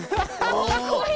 かっこいい！